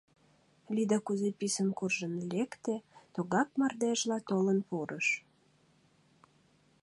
Лида кузе писын куржын лекте, тугак мардежла толын пурыш.